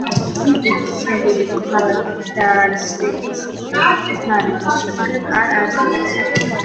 ზუსტი ცნობები ქალაქის დაარსების თარიღის შესახებ არ არსებობს.